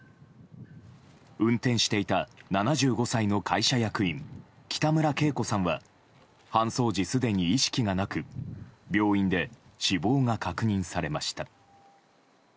運転していた７５歳の会社役員北村慶子さんは搬送時、すでに意識がなく病院で死亡が確認されました。